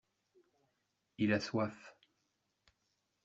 Il a soif.